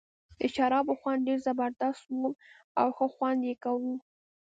د شرابو خوند ډېر زبردست وو او ښه خوند یې کاوه.